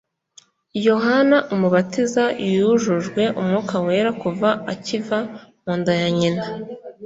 Yohana Umubatiza yujujwe Umwuka Wera kuva akiva mu nda ya nyina.